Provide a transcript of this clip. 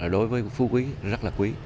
đối với phu quý rất là quý